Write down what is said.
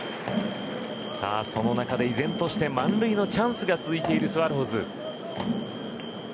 その中で依然として満塁のチャンスが続いているスワローズ。